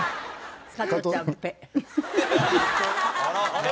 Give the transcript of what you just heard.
あれ？